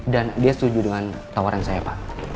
dan dia setuju dengan tawaran saya pak